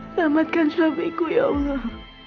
selamatkan suamiku ya allah